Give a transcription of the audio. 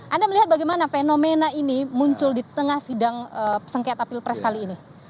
anda melihat bagaimana fenomena ini muncul di tengah sidang sengketa pilpres kali ini